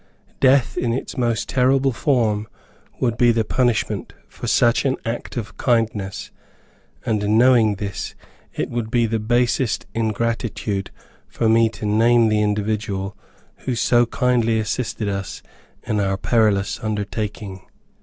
Death, in its most terrible form would be the punishment for such an act of kindness, and knowing this, it would be the basest ingratitude for me to name the individual who so kindly assisted us in our perilous undertaking.